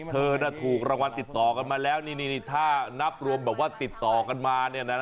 เธอถูกรางวัลติดต่อกันมาแล้วนี่ถ้านับรวมแบบว่าติดต่อกันมาเนี่ยนะ